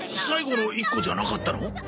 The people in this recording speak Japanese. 最後の一個じゃなかったの？